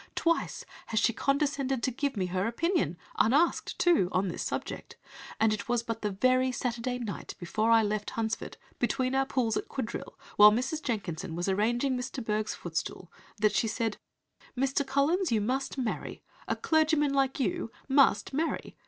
Twice has she condescended to give me her opinion (unasked too!) on this subject; and it was but the very Saturday night before I left Hunsford between our pools at quadrille, while Mrs. Jenkinson was arranging Miss de Bourgh's footstool that she said, 'Mr. Collins, you must marry. A clergyman like you must marry.